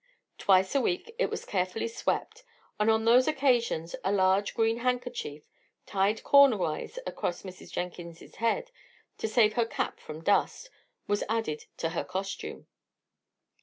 Twice a week it was carefully swept, and on those occasions a large green handkerchief, tied cornerwise upon Mrs. Jenkins's head, to save her cap from dust, was added to her costume.